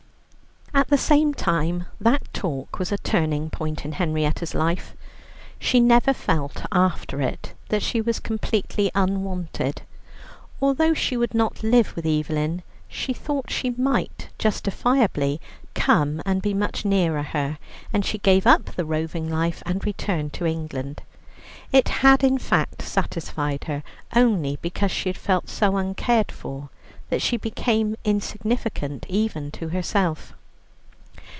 At the same time that talk was a turning point in Henrietta's life. She never felt after it that she was completely unwanted. Although she would not live with Evelyn, she thought she might justifiably come and be much nearer her, and she gave up the roving life and returned to England. It had in fact satisfied her, only because she had felt so uncared for that she became insignificant even to herself.